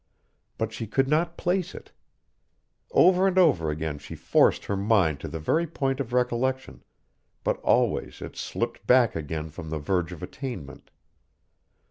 But she could not place it. Over and over again she forced her mind to the very point of recollection, but always it slipped back again from the verge of attainment.